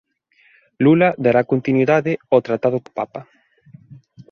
Lula dará continuidade ao tratado co Papa